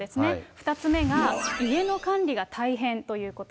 ２つ目が、家の管理が大変ということ。